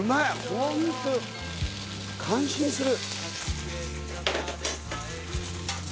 ホント感心する。